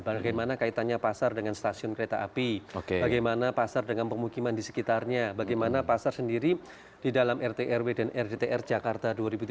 bagaimana kaitannya pasar dengan stasiun kereta api bagaimana pasar dengan pemukiman di sekitarnya bagaimana pasar sendiri di dalam rt rw dan rdtr jakarta dua ribu tujuh belas